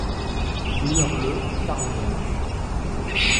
Il meurt le à Tarragone.